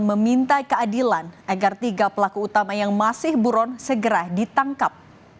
meminta keadilan agar tiga pelaku utama yang masih buron segera ditangkap